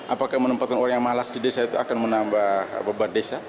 apakah menempatkan orang yang malas di desa itu akan menambah beban desa